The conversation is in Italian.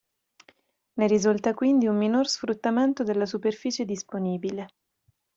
Ne risulta quindi un minor sfruttamento della superficie disponibile.